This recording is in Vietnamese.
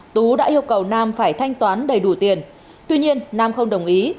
tú đã yêu cầu nam phải thanh toán đầy đủ tiền tuy nhiên nam không đồng ý